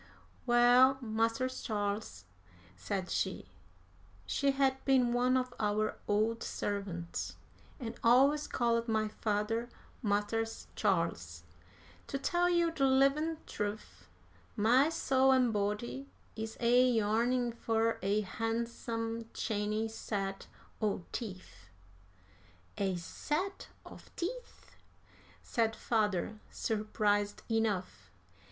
"Well, Mars' Charles," said she (she had been one of our old servants, and always called my father 'Mars' Charles'), "to tell you de livin' trufe, my soul an' body is a yearnin' fur a han'sum chany set o' teef." "A set of teeth!" said father, surprised enough.